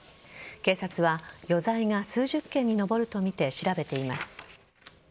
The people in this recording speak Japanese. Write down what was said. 警察は余罪が数十件に上るとみて調べています。